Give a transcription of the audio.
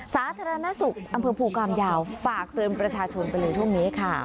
สาธารณสุขอำเภอภูกรรมยาวฝากเตือนประชาชนไปเลยช่วงนี้ค่ะ